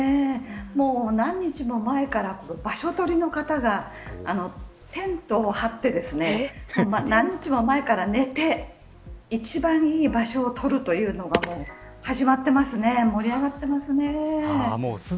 もう何日も前から場所取りの方がテントを張ってですね何日も前から寝て一番いい場所を取るというのがもう始まっています。